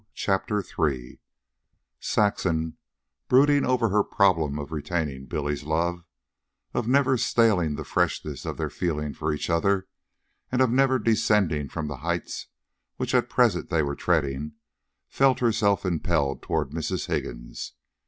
CHAPTER III Saxon, brooding over her problem of retaining Billy's love, of never staling the freshness of their feeling for each other and of never descending from the heights which at present they were treading, felt herself impelled toward Mrs. Higgins.